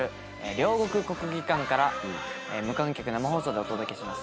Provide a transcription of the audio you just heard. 両国国技館から無観客生放送でお届けします。